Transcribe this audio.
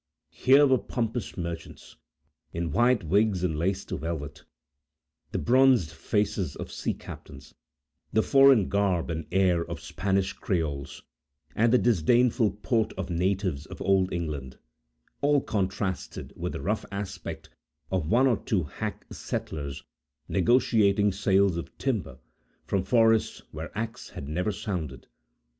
Here were pompous merchants, in white wigs and laced velvet; the bronzed faces of sea captains; the foreign garb and air of Spanish creoles; and the disdainful port of natives of Old England; all contrasted with the rough aspect of one or two hack settlers, negotiating sales of timber, from forests where axe had never sounded.